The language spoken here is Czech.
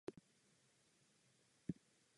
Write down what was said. Nedochovalo se mnoho skladeb Johanna Bernharda Bacha.